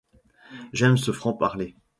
J’aime ce franc-parler.